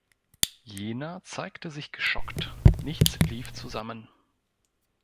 Jena zeigte sich geschockt, nichts lief zusammen.